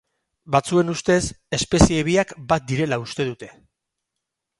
Batzuen ustez, espezie biak bat direla uste dute